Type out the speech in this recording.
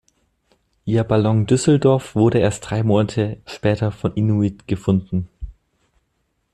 Ihr Ballon "Düsseldorf" wurde erst drei Monate später von Inuit gefunden.